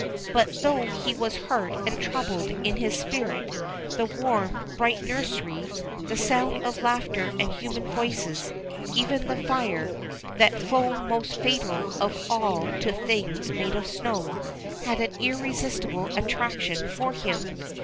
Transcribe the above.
But though he was hurt and troubled in his spirit, the warm, bright nursery, the sound of laughter and human voices, even the fire, that foe most fatal of all to things made of snow, had an irresistible attraction for him.